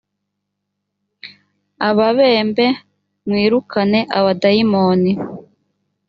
ababembe mwirukane abadayimoni